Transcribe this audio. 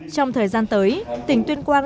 trong thời gian tới tỉnh tuyên quang